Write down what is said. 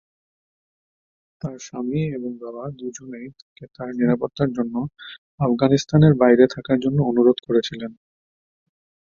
তার স্বামী এবং বাবা দুজনেই তাকে তার নিরাপত্তার জন্য আফগানিস্তানের বাইরে থাকার জন্য অনুরোধ করেছিলেন।